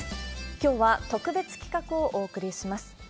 きょうは特別企画をお送りします。